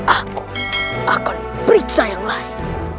aku akan periksa yang lain